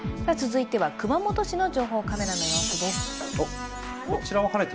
続いては熊本市の情報カメラの映像です。